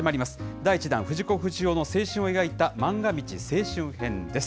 第１弾、藤子不二雄の青春を描いた、まんが道青春編です。